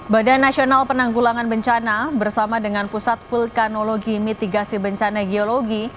badan nasional penanggulangan bencana bersama dengan pusat vulkanologi mitigasi bencana geologi